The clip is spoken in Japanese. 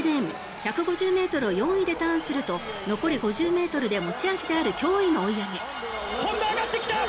１５０ｍを４位でターンすると残る５０ｍで持ち味である驚異の追い上げ。